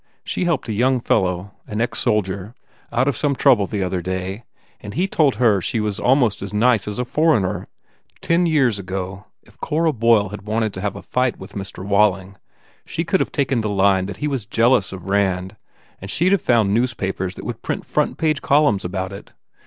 She helped a young fellow an ex soldier out of some trouble the other day and he told her she was almost as nice as a foreigner Ten years ago if Cora Boyle had wanted to have a fight with Mr. Walling she could have taken the line that he was jealous of Rand and she d have found news papers that would print front page columns about it.